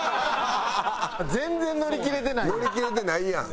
乗り切れてないやん。